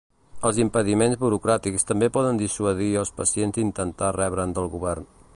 Els impediments burocràtics també poden dissuadir els pacients d'intentar rebre'n del govern.